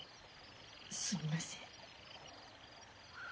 すみません。